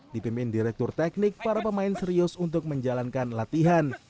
dipimpin direktur teknik para pemain serius untuk menjalankan latihan